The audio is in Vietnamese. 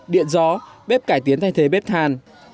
điện gió bếp cải tiến thay thế bếp than